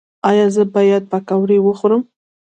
ایا زه باید پکوړه وخورم؟